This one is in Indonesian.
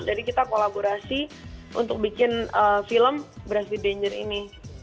jadi kita kolaborasi untuk bikin film brush with danger ini